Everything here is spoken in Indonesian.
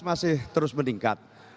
masih terus meningkat